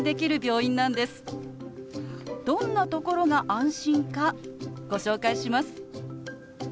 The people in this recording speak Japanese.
どんなところが安心かご紹介します。